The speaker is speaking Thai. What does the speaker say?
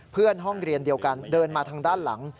เพื่อนห้องเรียนเดียวกันเดินมาทางด้านหลัง